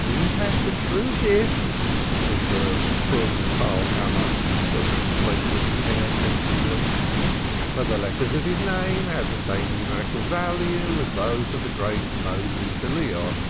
"He has the true gift," observed Froom Karlkammer, shaking the flames of his hair pensively. "For the letters of his name have the same numerical value as those of the great Moses da Leon."